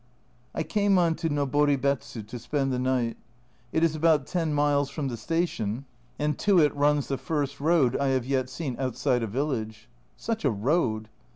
I came on to Noboribetsu to spend the night. It is about ten miles from the station, and to it runs the first road I have yet seen outside a village. Such a road